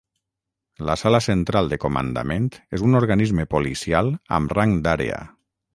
La Sala Central de Comandament és un organisme policial amb rang d'àrea.